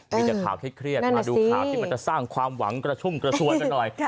มีแต่ข่าวเครียดมาดูข่าวที่มันจะสร้างความหวังกระชุ่มกระชวยกันหน่อย